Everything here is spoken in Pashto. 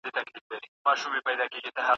د ساینس موضوعات ډېر پېچلي وي.